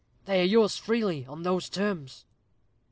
"They are yours freely on those terms."